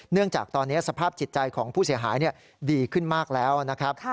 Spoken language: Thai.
จากตอนนี้สภาพจิตใจของผู้เสียหายดีขึ้นมากแล้วนะครับ